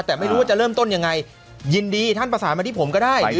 แต่ไม่รู้ว่าจะเริ่มต้นยังไงยินดีท่านประสานมาที่ผมก็ได้